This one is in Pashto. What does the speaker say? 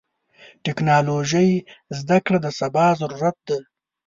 د ټکنالوژۍ زدهکړه د سبا ضرورت ده.